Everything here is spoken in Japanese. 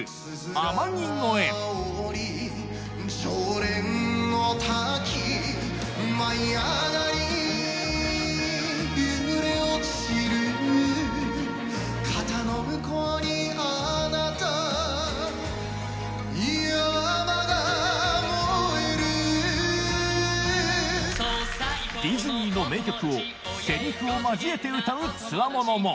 山が燃えるディズニーの名曲をセリフを交えて歌う強者も